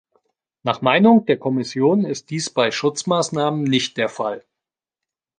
Nach Meinung der Kommission ist dies bei Schutzmaßnahmen nicht der Fall.